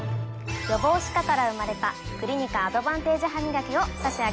予防歯科から生まれたクリニカアドバンテージハミガキを差し上げます。